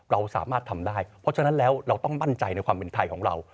เราสามารถทำได้เพราะฉะนั้นแล้วเราต้องมั่นใจในความเป็นไทยของเรา